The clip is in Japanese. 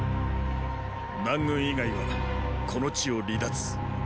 南軍以外はこの地を離脱。